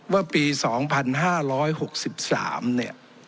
ว่าปี๒๕๖๓เนี่ย